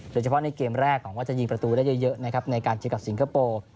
โดยเฉพาะในเกมแรกหวังว่าจะยิงประตูได้เยอะนะครับในการเจอกับสิงคโปร์